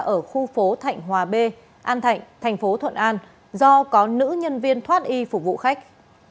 ở khu phố thạnh hòa b an thạnh thành phố thuận an do có nữ nhân viên thoát y phục vụ khách